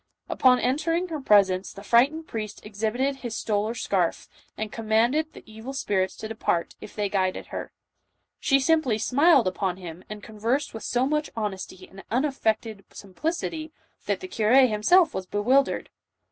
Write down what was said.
Upon entering her presence, the frightened priest exhibited his stole or scarf, and commanded the evil spirits to de part, if they guided her. She simply smiled upon him, JOAN OF ARC. 151 and conversed with so much honesty and unaffected simplicity, that the curt; himself was bewildered.